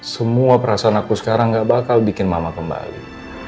semua perasaan aku sekarang gak bakal bikin mama kembali